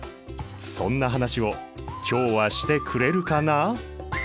そんな話を今日はしてくれるかな？